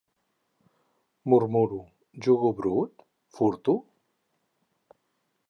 Murmuro: “jugo brut? furto?”...